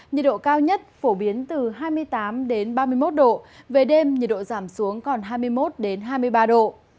nhiệt độ cao nhất phổ biến từ hai mươi tám ba mươi một độ về đêm nhiệt độ giảm xuống còn hai mươi một hai mươi ba độ